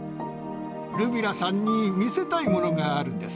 ルビラさんに見せたいものがあるんです。